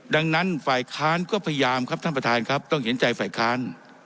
ดังนั้นฝ่ายค้านก็พยายามครับท่านประธานครับต้องเห็นใจฝ่ายค้าน